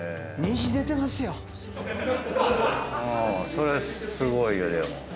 それすごいよでも。